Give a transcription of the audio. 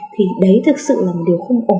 thì đấy thực sự là một điều không ổn